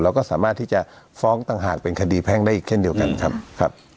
เราก็สามารถที่จะฟ้องต่างหากเป็นคดีแพ่งได้อีกเช่นเดียวกันครับ